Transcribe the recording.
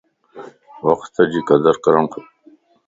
وقت جي قدر ڪرڻ کپ